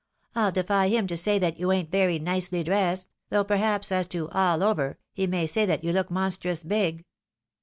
" rU defy him to say that you ain't very nicely dressed — ^though perhaps, as to all over, he may say that you look monstrous big."